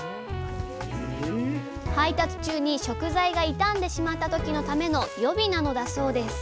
配達中に食材が傷んでしまった時のための予備なのだそうです。